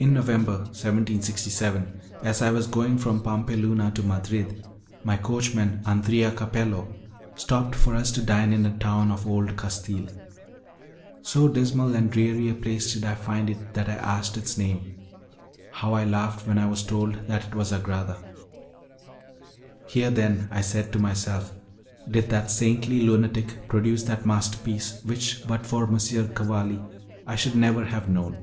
In November, 1767, as I was going from Pampeluna to Madrid, my coachman, Andrea Capello, stopped for us to dine in a town of Old Castille. So dismal and dreary a place did I find it that I asked its name. How I laughed when I was told that it was Agrada! "Here, then," I said to myself, "did that saintly lunatic produce that masterpiece which but for M. Cavalli I should never have known."